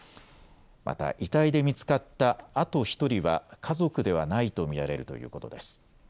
また遺体で見つかったあと１人は家族ではないと見られるということです。